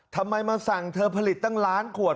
ทำไมมาสั่งเธอผลิตตั้งล้านขวด